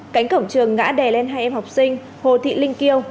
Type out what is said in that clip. cánh cổng trường ngã đè lên hai em học sinh hồ thị linh kiều